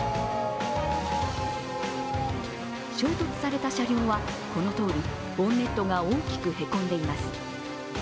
衝突された車両は、このとおりボンネットが大きくへこんでいます。